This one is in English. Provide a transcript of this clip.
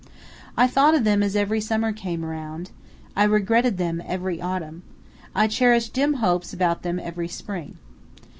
I thought of them as every summer came around; I regretted them every autumn; I cherished dim hopes about them every spring.